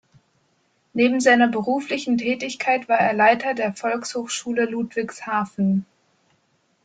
Neben seiner beruflichen Tätigkeit war er Leiter der Volkshochschule Ludwigshafen.